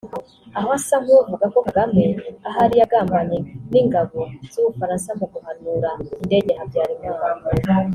Aho asa nk’uvuga ko Kagame ahari yagambanye n’ingabo z’u Bufaransa mu guhanura indege ya Habyarimana